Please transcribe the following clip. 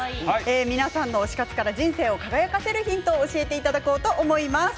皆さんの推し活から人生を輝かせるヒントを教えていただきます。